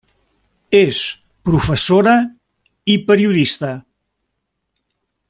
És professora i periodista.